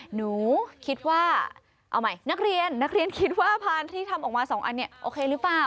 หนูคิดว่าเอาใหม่นักเรียนนักเรียนคิดว่าพานที่ทำออกมาสองอันเนี่ยโอเคหรือเปล่า